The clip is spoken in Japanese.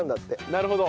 なるほど。